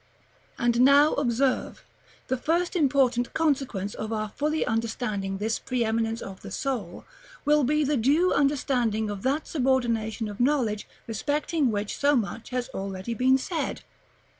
§ VIII. And now observe, the first important consequence of our fully understanding this preëminence of the soul, will be the due understanding of that subordination of knowledge respecting which so much has already been said.